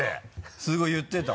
すごい言ってた。